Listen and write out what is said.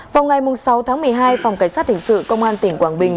vào ngày sáu tháng một mươi hai phòng cảnh sát hình sự công an tỉnh quảng bình